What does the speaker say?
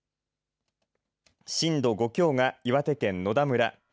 震度５強が岩手県野田村。